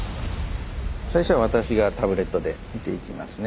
最初は私がタブレットで見ていきますね。